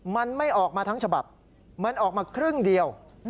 มันไม่ออกมาทั้งฉบับมันออกมาครึ่งเดียว